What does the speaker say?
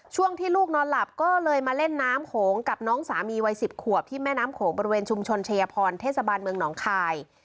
ช่วงที่ลูกนอนหลับก็เลยมาเล่นน้ำโขงกับน้องสามีวัย๑๐ขวบที่แม่น้ำโขงบริเวณชุมชนชายพรเทศบาลเมืองหนองคาย